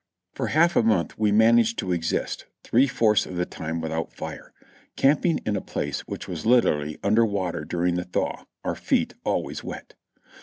For half a month we managed to exist; three fourths of the time without fire, camping in a place which was literally under water during the thaw, our feet always wet.